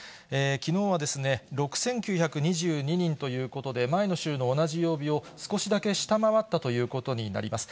きのうは６９２２人ということで、前の週の同じ曜日を少しだけ下回ったということになります。